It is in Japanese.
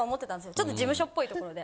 ちょっと事務所っぽい所で。